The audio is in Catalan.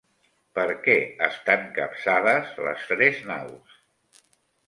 Per què estan capçades les tres naus?